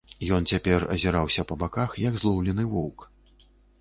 Ён цяпер азіраўся па баках, як злоўлены воўк.